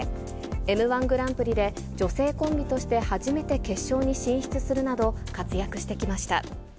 Ｍー１グランプリで女性コンビとして初めて決勝に進出するなど、活躍してきました。